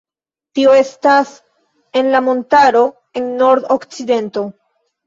Tio estas en la montaro, en nord-okcidento.